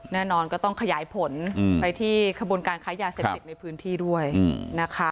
แน่นอนก็ต้องขยายผลไปที่ขบวนการค้ายาเสพติดในพื้นที่ด้วยนะคะ